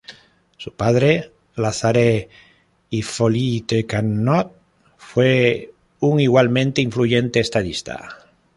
Su padre, Lazare Hippolyte Carnot, fue un igualmente influyente estadista.